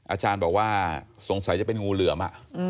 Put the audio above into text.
อาจารย์บอกว่าสงสัยจะเป็นงูเหลือม